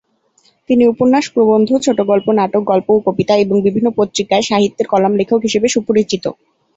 তিনি উপন্যাস, প্রবন্ধ, ছোট গল্প, নাটক, গল্প ও কবিতা এবং বিভিন্ন পত্রিকায় সাহিত্যের কলাম লেখক হিসাবে সুপরিচিত।